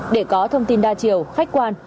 để có thông tin đa chiều khách quan